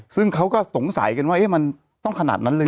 ซึ่งเขาก็สงสัยกันว่ามันต้องขนาดนั้นเลยนะ